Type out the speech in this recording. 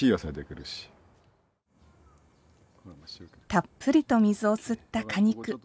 たっぷりと水を吸った果肉。